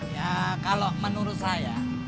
ya kalau menurut saya